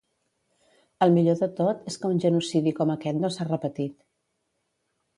El millor de tot és que un genocidi com aquest no s'ha repetit.